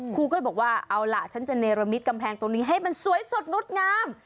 ครูก็เลยบอกว่าเอาล่ะฉันจะเนรมิตกำแพงตรงนี้ให้มันสวยสดงดงาม